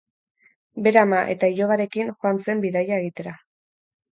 Bere ama eta ilobarekin joan zen bidaia egitera.